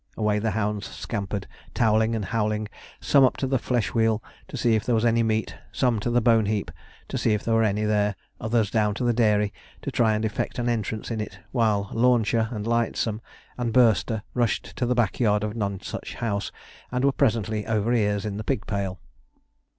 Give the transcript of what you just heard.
Away the hounds scampered, towling and howling, some up to the fleshwheel, to see if there was any meat; some to the bone heap, to see if there was any there; others down to the dairy, to try and effect an entrance in it; while Launcher, and Lightsome, and Burster, rushed to the backyard of Nonsuch House, and were presently over ears in the pig pail.